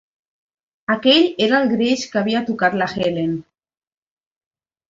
Aquell era el greix que havia tocat la Helen.